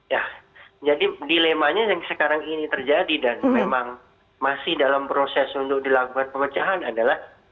ya jadi dilemanya yang sekarang ini terjadi dan memang masih dalam proses untuk dilakukan pemecahan adalah